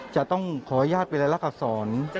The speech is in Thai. จะต้องขออนุญาตไปรักษร